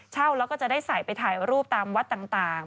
เช่าแล้วก็จะได้ใส่ไปถ่ายรูปตามวัดต่าง